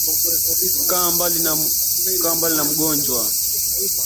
Kaa mbali na mugonjwa